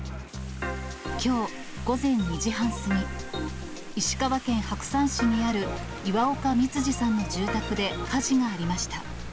きょう午前２時半過ぎ、石川県白山市にある岩岡光治さんの住宅で火事がありました。